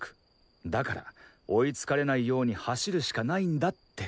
だから追いつかれないように走るしかないんだって。